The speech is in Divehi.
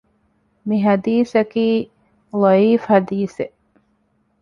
މިޙަދީޘަކީ ޟަޢީފު ޙަދީޘެއް